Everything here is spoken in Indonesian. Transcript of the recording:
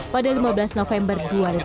pada lima belas november dua ribu tujuh belas